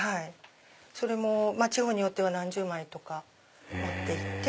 それも地方によっては何十枚とか持って行って。